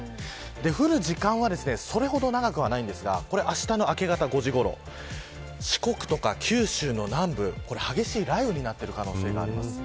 降る時間はそれほど長くはありませんがあしたの明け方５時ごろ四国や九州の南部これ、激しい雷雨になっている可能性があります。